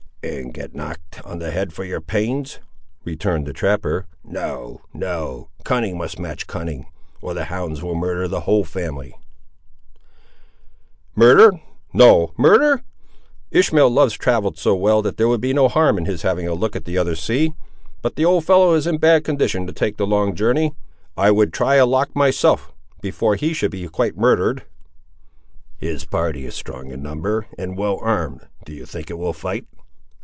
"And get knocked on the head for your pains," returned the trapper. "No, no; cunning must match cunning, or the hounds will murder the whole family." "Murder! no—no murder. Ishmael loves travel so well, there would be no harm in his having a look at the other sea, but the old fellow is in a bad condition to take the long journey! I would try a lock myself before he should be quite murdered." "His party is strong in number, and well armed; do you think it will fight?"